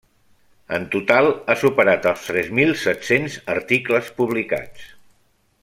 En total ha superat els tres mil set-cents articles publicats.